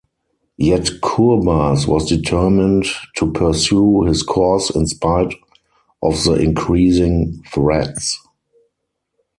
Yet Kurbas was determined to pursue his course in spite of the increasing threats.